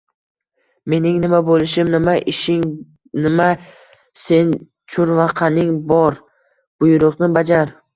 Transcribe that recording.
— Mening nima bo‘lishim bilan ishing nima sen churvaqaning? Bor, buyruqni bajar!